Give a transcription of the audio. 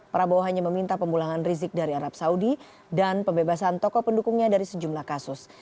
prabowo hanya meminta pemulangan rizik dari arab saudi dan pembebasan tokoh pendukungnya dari sejumlah kasus